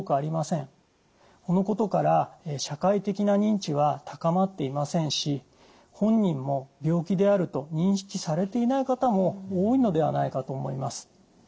このことから社会的な認知は高まっていませんし本人も病気であると認識されていない方も多いのではないかと思います。